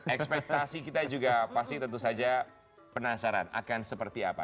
ekspektasi kita juga pasti tentu saja penasaran akan seperti apa